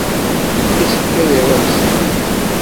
Issefk ad iruḥ zeddig.